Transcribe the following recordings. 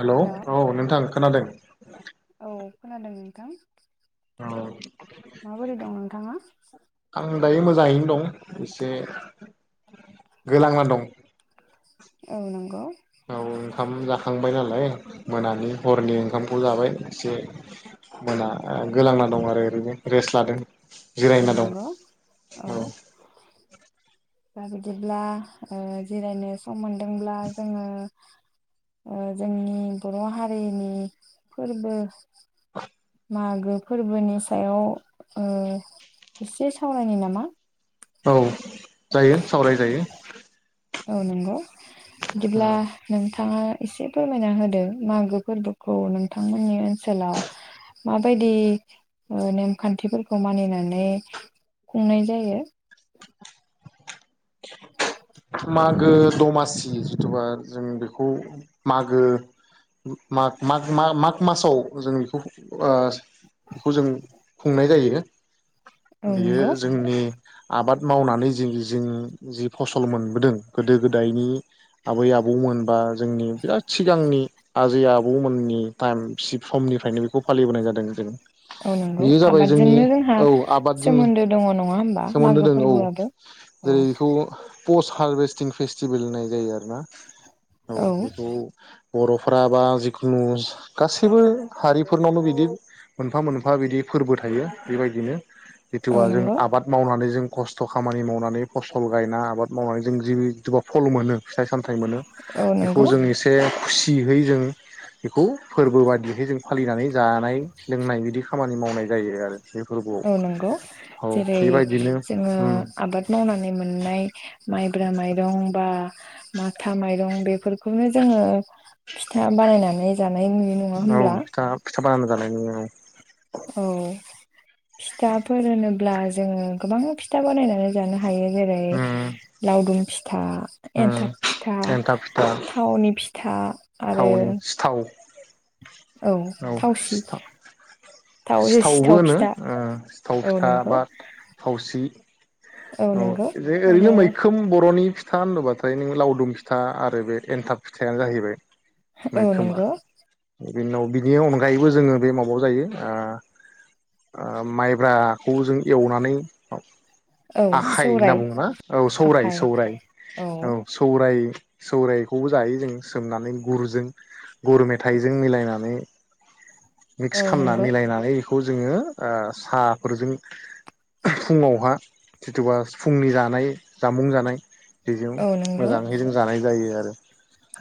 हेल' औ नोंथां खोनादों। खोनादों नोंथां? औ माबोरै दं नोंथाङा आं दायो मोजाङैनो दं एसे गोलांना दं। औ नंगौ। बाय नालाय मोनानि हरनि ओंखामखौ जाबाय एसे मोना गोलांना दं आरो ओरैनो रेस्ट लादों। औ जिरायना दं नंगौ औ। दा बिदिब्ला ओ जिरायनो सम मोन दोंब्ला जोङो ओ जोंनि बर' हारिनि फोरबो मागो फोरबोनि सायाव ओ एसे सावरायनायनि नामा? औ। जायो सावराय जायो। औ नंगौ। दिब्ला नोंथा थाङा एसे फोरमायना होदों मागो फोरबोखौ नोंथांमोननि ओनसोलाव माबायदि ओ नेमखान्थिफोरखौ मानिनानै खुंनाय जायो? मागो दमासि जिथुबा जों बेखौ मागो माग-माग-माग-माग- मासाव जोङो बिखौ ओ बिखौ जों खुंनाय जायो। औ बेयो नंगौ जोंनि आबाद मावनानै जि जों जि फस सल मोनबोदों गोदो गोदायनि आबै आबौमोनबा जोंनि बिराद सिगांनि आजै आ आबौमोननि टाइम सिब समनिफ्रायनो बेखौ फालिबोनाय जादों जों। औ नंगौ बेयो जाबाय जोंनि आबादजोंनो जोंहा औ आबादजों सोमोन्दो दङ नङा होमबा सोमोन्दो मागो दं औ फोरबोआबो औ। जेरै बेखौ पस्ट हार्भेस्टिं फेस्टिभेल होननाय जायो आरोना। औ बेखौ बर'फ्रा बा जिखुनु गासैबो हारिफोरनावनो बिदि मोनफा मोनफा बिदि फोरबो थायो बेबायदिनो। औ जिथुबा जों नंगौ आबाद मावनानै जों खस्थ' खामानि मावनानै फसल गायना आबाद मावनाय जों जिहेथुबा फल मोनो फिथाइ साम थाय मोनो औ बेखौ नंगौ जों एसे खुसिहै जोङो बेखौ फोरबो बादिहै जों फालिनानै जानाय लोंनाय बिदि खामानि खामानि मावनाय जायो आरो। बे फोरबोआव औ नंगौ औ जेरै बेबायदिनो जोङो उम आबाद मावनानै मोननाय माइब्रा माइरं बा माथा माइरं बेफोरखौनो जोङो फिथा बानायनानै जा नाय नुयो नङा होब्ला। साबानो जानायाय [unintelligible] औ फिथाफोर होनोब्ला जोङो गोबां फिथा बानायनानै जानो हायो जेरै उम लावदुम फिथा उम एन्थाब फिथा एन्थाब फिथा थावनि फिथा आरो थावनि सिथाव [inaudible] औ सिथाव थाव सिथावबो सिथाव होनो फिथा ओ सिथाव औ फिथा नंगौ बा थावसि औ नंगौ जे आरो ओरैनो मैखोम बर'नि फिथा होनोबाथाय नों लावदुम फिथा आरो बे एन्थाब फिथाइानो जाहैबाय औ नोंगौ बिना उनाव बेनि अनगायैबो जोङो बे माबाव जायो ओ ओ माइब्राखौ जों एवनानै औ आखाइ होनना सौराय बुङो ना औ सौराय आखाइ सौराय औ सौराय सौरायखौबो जायो जों सोमनानै गुरजों गुर मेथाइजों मिलायनानै मिक्स औ खामना नंगौ मिलायनानै खौ जोङो ओ साफोरजों फुङावहा जिथुबा फुंनि जानाय जामुं जानाय बेजों औ नंगौ मोजाङै जों जानाय जायो आरो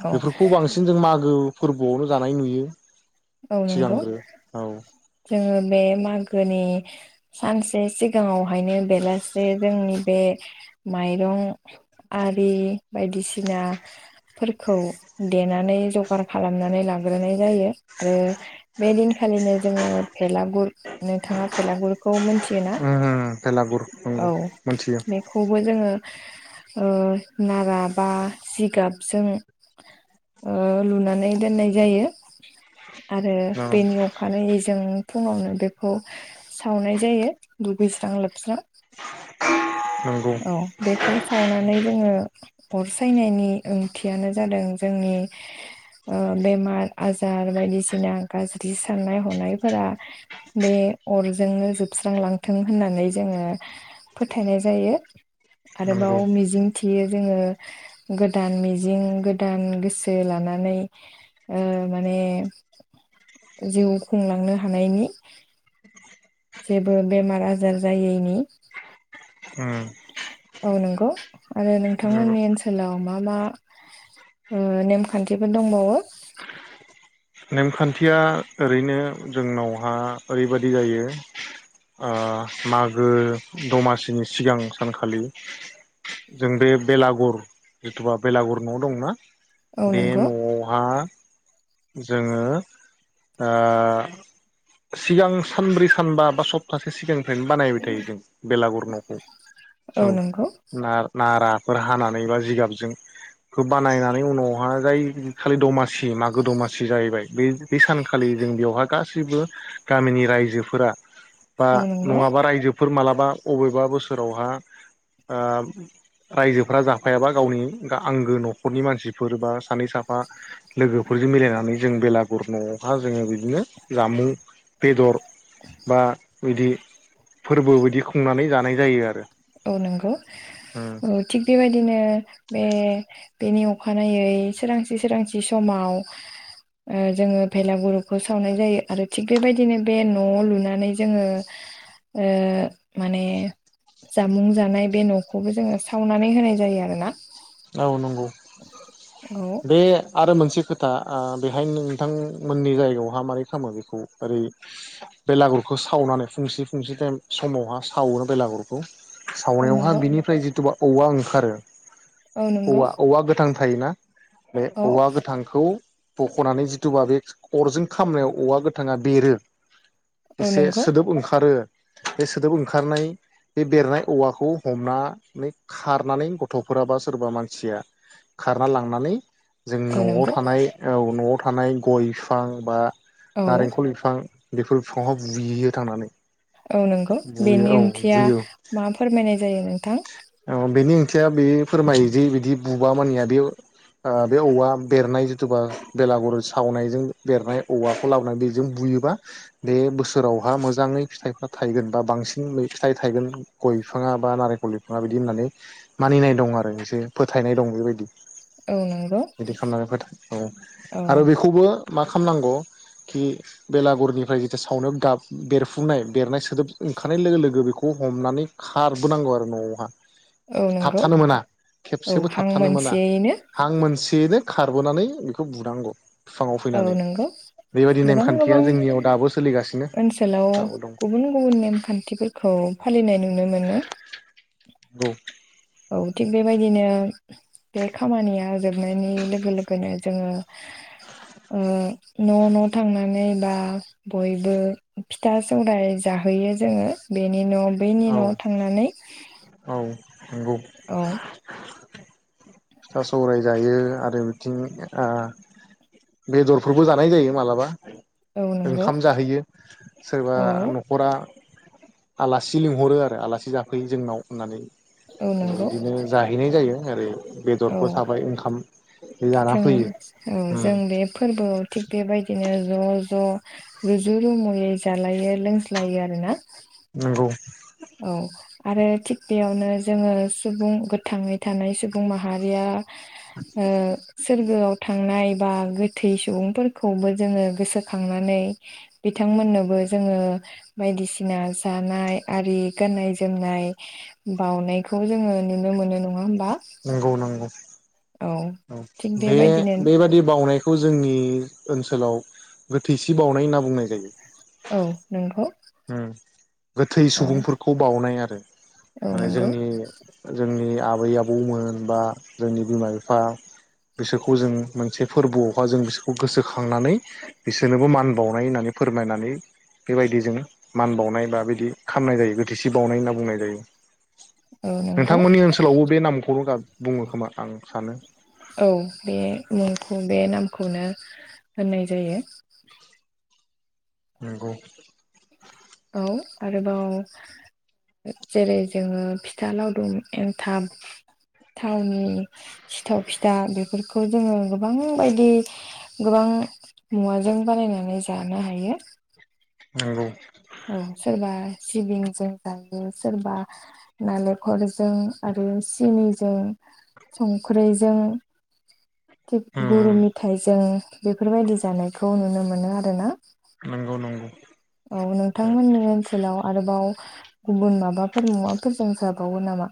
औ बेफोरखौ बांसिन जों मागो फोरबो आवल जानाय नुयो। औ नोंगौ सिगांग्रो औ जोङो बे मा गोनि सानसे सिगाङाव हायनो बेलासे जोंनि बे माइरं आरि बायदि सिना फोरखौ देनानै जगार खालामनानै लाग्रोनाय जायो। आरो बे दिनखालिनो जोङो भेलागुर नोंथाङा भेलागुरखौ मोनथियो ना? बेलागुर नंगौ औ मोनथियो बेखौबो जोङो ओ नारा बा जिगाबजों ओ लुनानै दोननाय जायो। आरो औ बेनि अखानायै जों फुङावनो बेखौ सावनाय जायो दुगैस्रां लोबस्रां नंगौ औ बेखौ सावनानै जोङो अर सायनायनि ओंथियानो जादों जोंनि ओ बेमार आजार बायदिसिना गाज्रि साननाय हनायफोरा बे अरजोंनो जोबस्रांलांथों होननानै जोङो फोथायनाय जायो। नंगौ आरोबाव मिजिं थियो जोङो गोदान मिजिं गोदान गोसो लानानै ओ माने जिउ खुंलांनो हानायनि जेबो बेमार आजार जायैनि औ नंगौ आरो नंगौ नोंथांमोननि ओनसोलाव मा मा ओ नेमखान्थिफोर दंबावो नेमखान्थिया ओरैनो जोंनावहा ओरैबादि जायो ओ मागो दमासिनि सिगां सानखालि जों बे बेलागुर जिथुबा बेलागुर न दंना औ बे नंगौ नआवहा जोङो ओ सिगां सानब्रै सानबा बा सप्तासे सिगां फ्रायनो बानायबाय थायो जों बेलागुर नखौ औ जों नंगौ ना-नाराफोर हानानै एबा जिगाबजों खो बानायनानै उनावहाय जाय खालि दमासि मागो दमासि सि जाहैबाय बे बे सानखालि जों बेयावहाय गासै गासिबो गामिनि रायजोफोरा बा औ नंगौ नङाबा रायजोफोर मालाबा बबेबा बोसोरावहा ओ रायजोफोरा जाफायाबा गावनि आंगो नखरनि मानसिफोर बा सानै साफा लोगोफोरजों मिलायनानै जों बेलागुर नआवहा जोङो बिदिनो जामुं बेदर बा बिदि फोरबो बिदि खुंनानै जानाय जायो आरो औ नंगौ उम ओ थिग बेबायदिनो बे बेनि अखानायै सोरांसि सोरांसि समाव ओ जोङो बेलागुरुखौ सावनाय जायो आरो थिग बेबायदिनो बे न लुनानै जोङो ओ माने जामुं जानाय बे नखौबो जोङो सावनानै होनाय जायो आरो ना । [inaudible] औ आरो मोनसे खोथा ओ बेहाय नोंथांमोननि जायगायावहा मारै खालामो बेखौ ओरै बेलागुरखौ सावनानै फुंसि फुंसि टाइम समावहा सावो बेलागुरखौ । औ नंगौ सावनायावहाय बिनिफ्राय जिथुुबा औवा ओंखारो औ नंगौ औवा औवा गोथां थायोना बे औ औवा गोथांखौ बखनानै जिथुबा बे अरजों खामनायाव औवा गोथाङा बेरो । औ एसे नंगौ सोदोब ओंखारो बे सोदोब ओंखारनाय बे बेरनाय औवाखौ हमनानै खारनानै गथफोराबा सोरबा मानसिया खारना लांनानै जों औ नआव नंगौ थानाय औ नआव थानाय गय बिफां बा औ नारेंखल बिफां बेफोर बिफांहाव बुहैयो थांनानै । औ नंगौ बेनि ओंथिया मा फोरमायनाय जायो नों औ बेनि थिया बे फोरमायोदि बिदि बुबा मानिया बे बे औवा बेरनाय जिथुबा बेलागुर सावनायजों बेरनाय औवाखौ लाबोनानै बेजों बुयोबा बे बोसोरावहा मोजाङै फिथाइफ्रा थायगोन बा बांसिन फिथाइ थायगोन गय बिफाङा बा नारें खल बिफांआ बिदि होननानै मानिनाय दं आरो एसे फोथायनाय दं बेबायदि औ नंगौ । बिदि खालामनानै फोथा औ औ आरो बेखौबो मा खा खालामनांगौ खि बेलागुरनिफ्राय जिथु सावनायाव गाब बेरफुनाय बेरनाय सोदोब ओंखारनाय लोगो लोगो बेखौ हमनानै खारबोनांगौ आरो । न'हा । औ नंगौ थाबथानो मोना औ खेबसेबो हां थाबथानो मोना मोनसेयैनो हां मोनसेयैनो खारबोनानै बेखौ बुनांगौ बिफाङाव औ फैनानै नंगौ बेबायदि गोबां नेमखान्थिया गोबां जोंनियाव दाबो सोलिगासिनो ओनसोलाव दाबो दं गुबुन गुबुन नेमखान्थिफोरखौ फालिनाय नुनो मोनो । औ औ थिग बेबायदिनो बे खामानिया जोबनायनि लोगो लोगोनो जोङो ओ न' न' थांनानै बा बयबो फिथा सौराय जाहैयो जोङो बेनि न' बैनि औ न'आव थांनानै । औ नंगौ फिथा सौराय जायो आरो बिथिं ओ बेदरफोरबो जानाय जायो मालाबा औ । नंगौ ओंखाम जाहैयो सोरबा औ नखरा आलासि लिंहरो आरो आलासि जाफैयो जोंनाव होननानै । औ नंगौ बिदिनो जाहैनाय जायो ओै बेदरखौ थाबाय ओंखाम जाना थों फैयो औ उम जों बे फोरबोआव थिग बेबायदिनो ज' ज' रुजु रुमुयै जालायो लोंज्लायो आरोना । नंगौ आरो थिग बेयावनो जोङो सुबुं गोथाङै थानाय सुबुं माहारिया ओ सोरगोआव थांनाय बा गोथै सुबुंफोरखौबो जोङो गोसोखांनानै बिथांमोननोबो जोङो बायदिसिना जानाय आरि गाननाय जोमनाय बाउनायखौ जोङो नुनो मोनो नङा होन नंगौ नंगौ थिग बे बेबायदिनो बेबादि बावनायख खौ जोंनि ओनसोलाव गोथैसि बाउनाय होनना बुंनाय जायो । औ नोंथ' उम गोथै सुबुंफोरखौ बाउनाय आरो औ माने नंगौ जोंनि जोंनि आब आबै आबौमोन बा जोंनि बिमा बिफा बिसोरखौ जों मोनसे फोरबोआवहाय जों बिसोरखौ गोसोखांनानै बिसोरनोबो मान बावनाय होननानै फोरमायनानै बेबायदि जों मान बावनाय बा बिदि खालामनाय जायो गोथैसि बावनाय होनना बुंनाय जायो । औ नंगौ नोंथांमोननि ओनसोलावबो बे नामखौनो गाब बुङो खोमा आं सानो औ बे मुं बे नामखौनो होननाय जायो । नंगौ औ आरोबाव जेरै जोङो फिथा लावदुम, एन्थाब, थावनि सिथाव, फिथा बेफोरखौ जोङो गोबां बायदि गोबां मुवाजों बानायनानै जानो हायो। नंगौ। औ सोरबा सिबिंजों जायो, सोरबा नालेंखरजों आरो सिनिजों संख्रैजों थिग गुरु उम मेथाइ जों बेफोरबायदि जानायखौ नुनो मोनो आरो ना। नंगौ नंगौ औ नोंथांमोननि ओनसोलाव आरोबाव गुबुन माबाफोर मुवाफोर जों जाबावो नामा?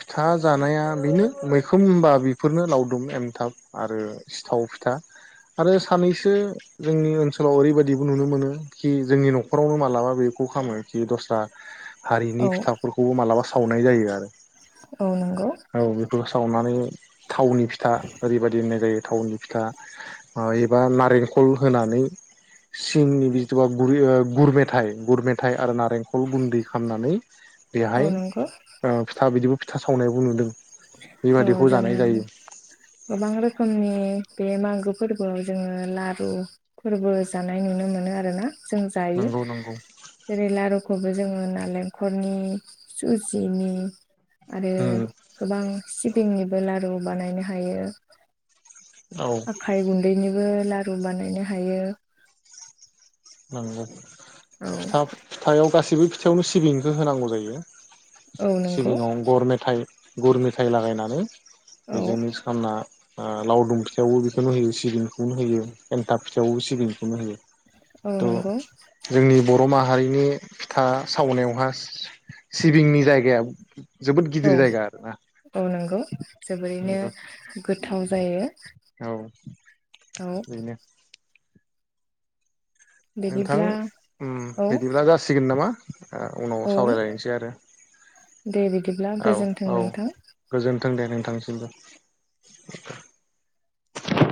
फिथा जानाया बेनो मैखोम होनबा बेफोरनो लावदुम एमथाब आरो सिथाव फिथा आरो सानैसो जोंनि ओनसोलाव ओरैबायदिबो नुनो मोनो खि जोंनि नखरावनो मालाबा बेखौ खालामो खि दस्रा औ हारिनि फिथाफोरखौ मालाबा सावनाय जायो आरो औ नंगौ औ बेखौ सावना मायो थावनि फिथा ओरैबायदि होननाय जायो थावनि फिथा ओ एबा नारेंखल होनानै सिंनि बिथबा गुरै गुर मेथाइ गुर मेथाइ आरो नारेंखल गुन्दै खालामनानै औ बेहाय नंगौ ओ बिदिबो फिथा सावनायबो नुदों। औ बेबादिखौ जानाय जोंङो जायो गोबां रोखोमनि बे मागो फोरबोआव जोंङो लारु फोरबो जानाय नुनो मोनो आरो ना? जों जायो। नंगौ नंगौ जेरै लारु खौबो जोंङो नालेंखलनि, सुजिनि आरो गोबां सिबिंनिबो लारु बानायनो हायो। औ आखाय गुन्दैनि बो लारु बानायनो हायो। नोंगौ औ फिथा-फिथायाव गासैबो फिथायावनो सिबिंखौ हो-होनांगौ जायो। औ नंगौ सिबिंङाव गर मेथाइ गुर मेथायाइ लागायनानै औ बेजोंनो मिक्स खालामना आ लावदुम फिथायावबो बेखौनो होयो सिबिंखौनो होयो एन्थाब फिथायाइबो सिबिंखौनो होयो। औ त नंगौ जोंनि बर र' माहारिनि फिथा सावनायावहा सि-सिबिंनि जायगाया जोबोद औ गिदिर जायगा आरोना औ नंगौ जोबोरैनो गोथाव जायो। औ औ बेनो नोंथां बिदिब्ला औ बिदिब्ला जासिगोन नामा? उनाव औ सावरायलायनोसै आरो दे बिदिब्ला औ गोजोन्थों औ नोंथां। गोजोन थों दे नोंथांनोसिमबो।